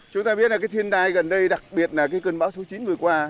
chúng ta biết là cái thiên đai gần đây đặc biệt là cái cơn bão số chín vừa qua